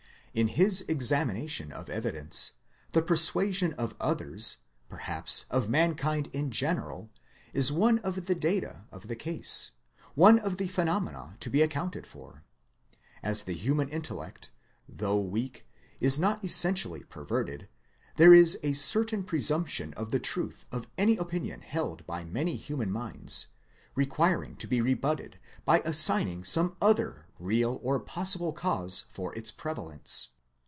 In his examination of evidence, the per suasion of others, perhaps of mankind in general, is one of the data of the case one of the phe nomena to be accounted for. As the human intellect though weak is not essentially perverted, there is a certain presumption of the truth of any opinion held by many human minds, requiring to be rebutted by assigning some other real or possible cause for its prevalence.